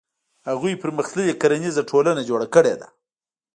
هغوی پرمختللې کرنیزه ټولنه جوړه کړې ده.